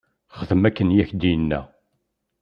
Xdem akken i ak-d-yenna.